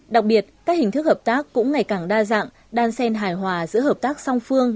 đặc biệt các hình thức hợp tác cũng ngày càng đa dạng đan sen hài hòa giữa hợp tác song phương